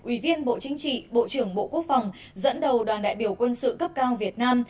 ủy viên bộ chính trị bộ trưởng bộ quốc phòng dẫn đầu đoàn đại biểu quân sự cấp cao việt nam